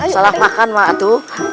salah makan ma atu